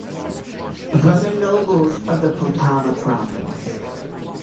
From the nobles of the Poltava province.